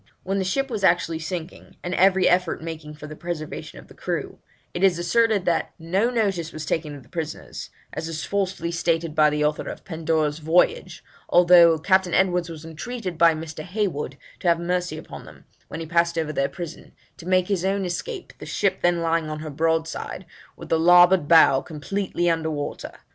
When the ship was actually sinking, and every effort making for the preservation of the crew, it is asserted that 'no notice was taken of the prisoners, as is falsely stated by the author of the Pandora's Voyage, although Captain Edwards was entreated by Mr. Heywood to have mercy upon them, when he passed over their prison, to make his own escape, the ship then lying on her broadside, with the larboard bow completely under water.